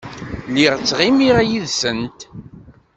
Lliɣ ttɣimiɣ yid-sent.